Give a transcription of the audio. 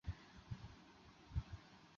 尚帕涅勒塞克人口变化图示